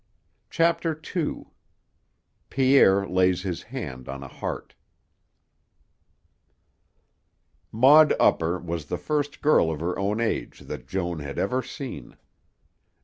CHAPTER II PIERRE LAYS HIS HAND ON A HEART Maud Upper was the first girl of her own age that Joan had ever seen.